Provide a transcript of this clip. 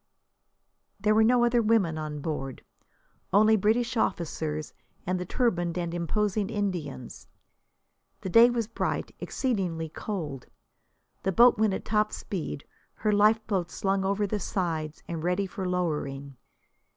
There were no other women on board: only British officers and the turbaned and imposing Indians. The day was bright, exceedingly cold. The boat went at top speed, her lifeboats slung over the sides and ready for lowering.